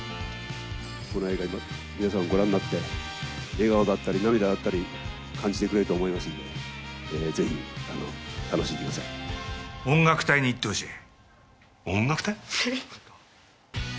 この映画を皆さんご覧になって、笑顔だったり、涙だったり、感じてくれると思いますんで、音楽隊に行ってほしい。